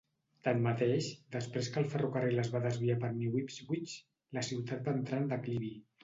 Tanmateix, després que el ferrocarril es va desviar de New Ipswich, la ciutat va entrar en declivi.